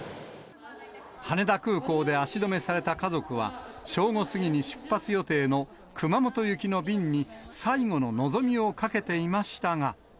羽田空港で足止めされた家族は、正午過ぎに出発予定の熊本行きの便に最後の望みをかけていました